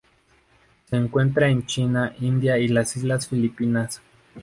Se encuentra en China, India y las islas Filipinas.